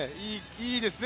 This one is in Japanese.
いいですね